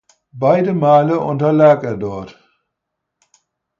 Beide Male unterlag er dort.